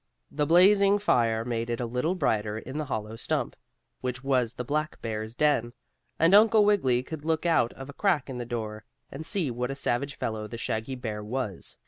The blazing fire made it a little brighter in the hollow stump, which was the black bear's den, and Uncle Wiggily could look out of a crack in the door, and see what a savage fellow the shaggy bear was.